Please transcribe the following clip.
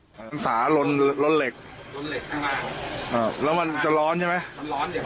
ลดเหล็กลดเหล็กข้างหลังครับอ่าแล้วมันจะร้อนใช่ไหมมันร้อนจริง